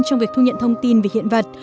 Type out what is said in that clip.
trong việc thu nhận thông tin về hiện vật